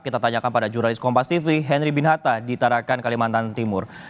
kita tanyakan pada jurnalis kompas tv henry binata di tarakan kalimantan timur